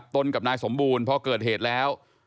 กับนายสมบูรณ์พอเกิดเหตุแล้ว